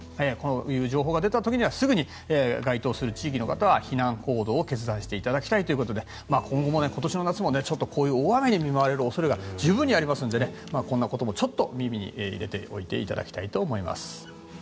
こういう情報が出た時にはすぐに該当する地域の方は避難行動を決断していただきたいということで今後も今年の夏もこういう大雨に見舞われる恐れが十分にありますのでこんなことも耳に入れておいていただきたいと思います。